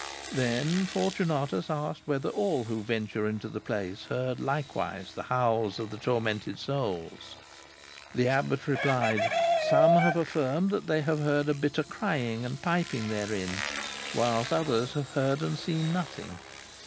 Then Fortunatus asked whether all who ventured into the place heard likewise the howls of the tormented souls. The abbot replied, "Some have affirmed that they have heard a bitter crying and piping therein; whilst others have heard and seen nothing.